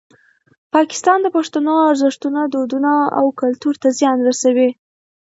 پاکستان د پښتنو ارزښتونه، دودونه او کلتور ته زیان رسوي.